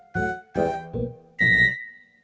kenapa orang itu kenceng